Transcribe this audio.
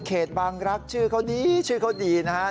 บางรักชื่อเขาดีชื่อเขาดีนะครับ